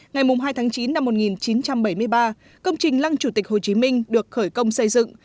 ngày hai tháng chín năm một nghìn chín trăm bảy mươi ba công trình lăng chủ tịch hồ chí minh được khởi công xây dựng